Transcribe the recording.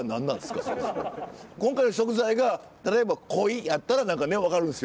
今回の食材が例えばコイやったら何かね分かるんですよ。